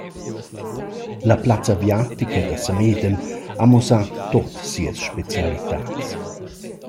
La plazza aviatica da Samedan ha muossà tuot sias specialitats.